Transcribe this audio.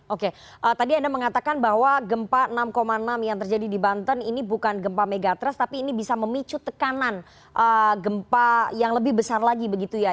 oke tadi anda mengatakan bahwa gempa enam enam yang terjadi di banten ini bukan gempa megatrust tapi ini bisa memicu tekanan gempa yang lebih besar lagi begitu ya